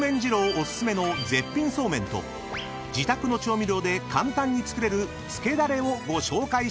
お薦めの絶品そうめんと自宅の調味料で簡単に作れるつけだれをご紹介します］